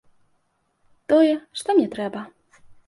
Тое, што мне трэба.